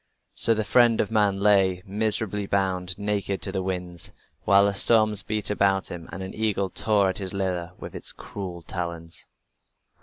So the friend of man lay, miserably bound, naked to the winds, while the storms beat about him and an eagle tore at his liver with its cruel talons.